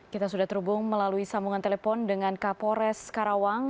kita sudah terhubung melalui sambungan telepon dengan kapolres karawang